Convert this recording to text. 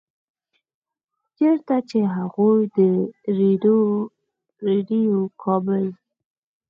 چرته چې هغوي د ريډيؤ کابل